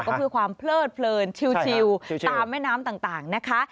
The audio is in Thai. ก็คือความเพลิดเพลินชิวตามแม่น้ำต่างนะคะ